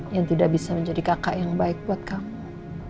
yang tidak bisa menjadi kakak yang baik buat kamu